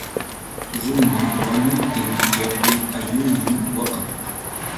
Runa wañuptin llapan ayllunmi waqan.